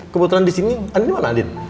kebetulan disini andien dimana andien